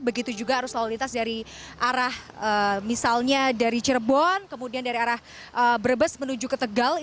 begitu juga arus lalu lintas dari arah misalnya dari cirebon kemudian dari arah brebes menuju ke tegal